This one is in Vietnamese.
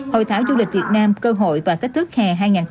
hội thảo du lịch việt nam cơ hội và kết thúc hè hai nghìn hai mươi hai